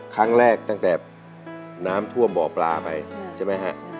ครั้งแรกตั้งแต่น้ำทั่วเบาะปลาไป